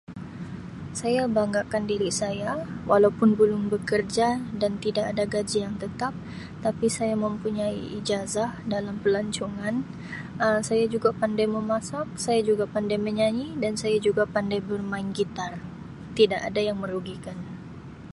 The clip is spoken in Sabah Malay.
Saya banggakan diri saya walaupun belum bekerja dan tidak ada gaji yang tetap tapi saya mempunyai Ijazah dalam Pelancongan Um saya juga pandai memasak saya juga pandai menyanyi dan saya juga pandai bermain gitar tidak ada yang merugikan.